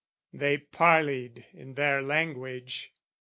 They parleyed in their language.